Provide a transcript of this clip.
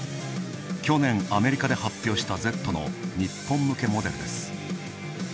去年アメリカで発表した「Ｚ」の日本向けモデルです。